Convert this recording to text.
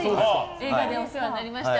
映画でお世話になりました。